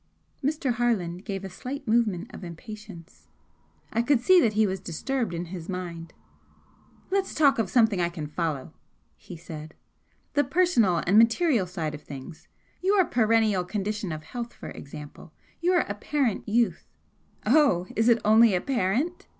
Mr. Harland gave a slight movement of impatience. I could see that he was disturbed in his mind. "Let's talk of something I can follow," he said "the personal and material side of things. Your perennial condition of health, for example. Your apparent youth " "Oh, is it only 'apparent'?"